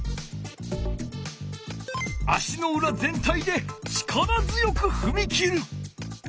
足のうら全体で力強くふみ切る。